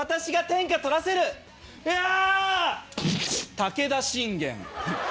武田信玄。